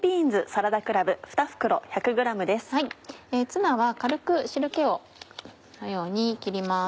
ツナは軽く汁気をこのように切ります。